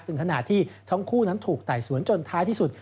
ขณะที่ทั้งคู่นั้นถูกไต่สวนจนท้ายที่สุด